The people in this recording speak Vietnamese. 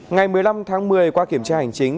ngày một mươi năm tháng một mươi qua kiểm tra hành chính